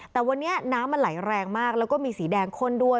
แต่วันนี้น้ำมันไหลแรงมากแล้วก็มีสีแดงข้นด้วย